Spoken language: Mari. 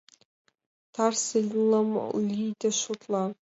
Тарзе лым лийде шотла.